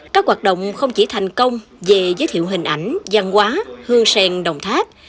các hoạt động không chỉ thành công về giới thiệu hình ảnh gian hóa hương sen đồng tháp